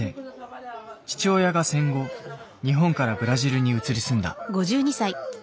父親が戦後日本からブラジルに移り住んだ。